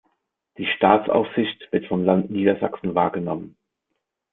Die Staatsaufsicht wird vom Land Niedersachsen wahrgenommen.